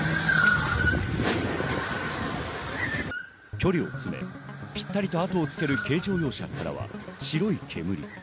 距離を詰め、ぴったりとあとをつける軽乗用車からは白い煙。